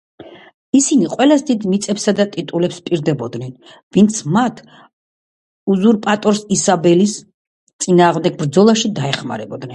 ისინი ყველას დიდ მიწებსა და ტიტულებს ჰპირდებოდნენ, ვინც მათ „უზურპატორი ისაბელის“ წინააღმდეგ ბრძოლაში დაეხმარებოდნენ.